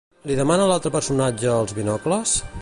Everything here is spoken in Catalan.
Li demana l'altre personatge els binocles?